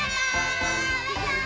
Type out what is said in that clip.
バイバーイ！